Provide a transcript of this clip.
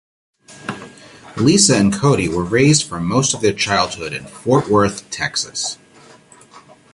Lisa and Cody were raised for most of their childhood in Fort Worth, Texas.